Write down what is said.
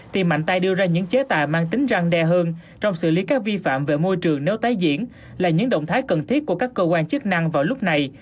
thì mạnh tay đưa ra những chế tài mang tính răng đe hơn trong xử lý các vi phạm về môi trường nếu tái diễn là những động thái cần thiết của các cơ quan chức năng vào lúc này